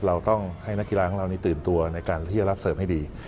เราต้องให้นักกีฬาของเรานี่ตื่นตัวในการที่จะรับเสิร์ฟให้ดี